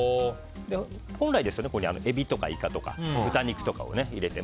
本来、ここにエビとかイカとか豚肉とかを入れて。